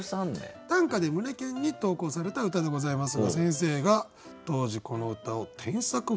「短歌ｄｅ胸キュン」に投稿された歌でございますが先生が当時この歌を添削不能と判断しました。